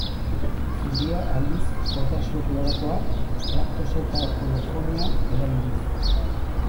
Zuria, aldiz, potasio kloratoa, laktosa eta kolofonia erabiliz.